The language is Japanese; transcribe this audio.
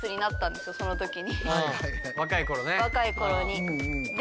若い頃ね。